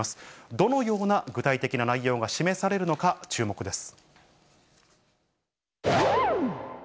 どのような具体的な内容が示されるのか、注目です。